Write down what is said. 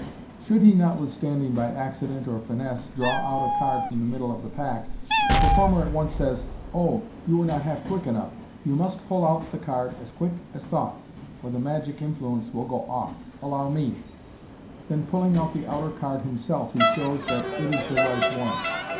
Should he notwithstanding, by accident or finesse, draw out a card from the middle of the pack, the performer at once says, " Oh, you were not half quick enough ! You must pull out the card as quick as thought, or the magic influence will gooff. Allow me!" then pulling out the outer card himself, he shows that it is the right one.